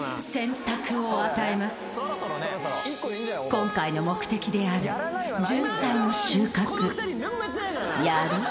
今回の目的であるじゅんさいの収穫やる？